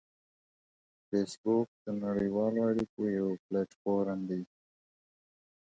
فېسبوک د نړیوالو اړیکو یو پلیټ فارم دی